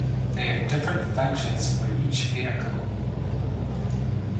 They have different functions for each vehicle.